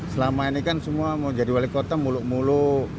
selama ini kan semua mau jadi wali kota muluk muluk